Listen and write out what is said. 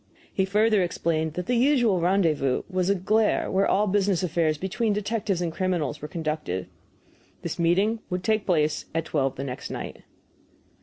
He further explained that the usual rendezvous was a place where all business affairs between detectives and criminals were conducted. This meeting would take place at twelve the next night.